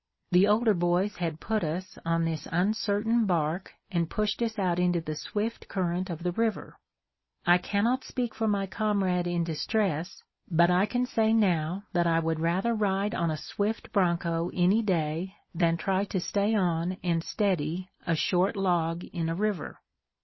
The older boys had put us on this uncertain bark and pushed us out into the swift current of the river. I cannot speak for my comrade in distress, but I can say now that I would rather ride on a swift bronco any day than try to stay on and steady a short log in a river.